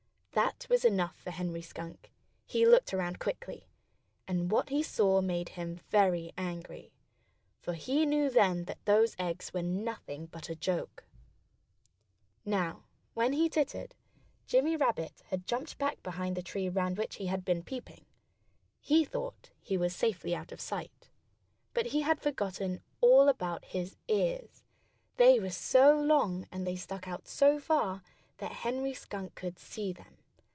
That was enough for Henry Skunk. He looked around quickly. And what he saw made him very angry. For he knew then that those eggs were nothing but a joke. Now, when he tittered, Jimmy Rabbit had jumped back behind the tree round which he had been peeping. He thought that he was safely out of sight. But he had forgotten all about his ears. They were so long, and they stuck out so far, that Henry Skunk could see them.